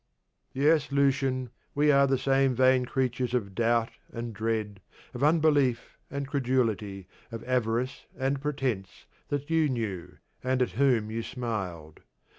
Yes, Lucian, we are the same vain creatures of doubt and dread, of unbelief and credulity, of avarice and pretence, that you knew, and at whom you smiled.